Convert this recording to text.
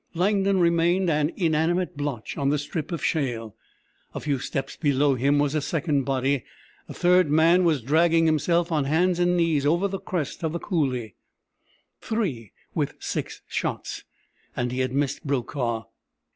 Langdon remained an inanimate blotch on the strip of shale. A few steps below him was a second body. A third man was dragging himself on hands and knees over the crest of the coulée. Three with six shots! And he had missed Brokaw!